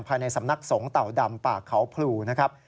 ภายในสำนักสงต่อดำปากเขาผลูนะครับ